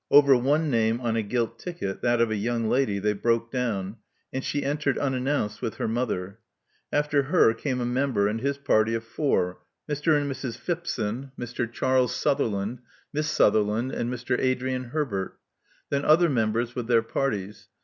Over one name on a gilt ticket, that of a young lady, they broke down ; and she entered unannounced with her mother. After her came a member and his party of four: Mr. and Mrs. Phipson, »8S 1 86 Love Among the Artists Mr. Charles Sutherland, Miss Sutherland, and Mr. Adrian Herbert. Then other members with their parties.